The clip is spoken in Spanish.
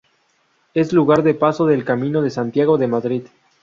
Es lugar de paso del Camino de Santiago de Madrid.